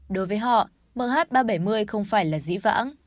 đối với họ mh ba trăm bảy mươi không phải là dĩ vãng